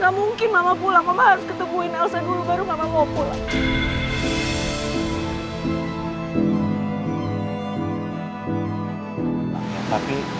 gak mungkin mama pulang mama harus ketemuin elsa dulu baru mama mau pulang